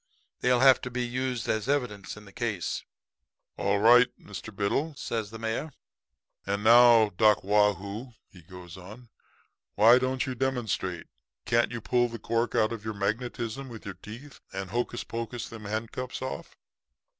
They'll have to be used as evidence in the case.' "'All right, Mr. Biddle,' says the mayor. 'And now, Doc Waugh hoo,' he goes on, 'why don't you demonstrate? Can't you pull the cork out of your magnetism with your teeth and hocus pocus them handcuffs off?'